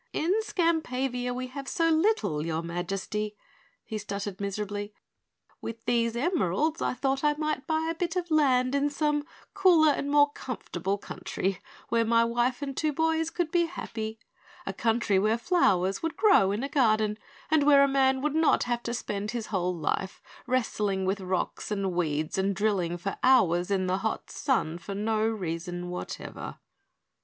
"In Skampavia we have so little, your Majesty," he stuttered miserably. "With these emeralds I thought I might buy a bit of land in some cooler and more comfortable country where my wife and two boys could be happy a country where flowers would grow in a garden, and where a man would not have to spend his whole life wrestling with rocks and weeds and drilling for hours in the hot sun for no reason whatsoever."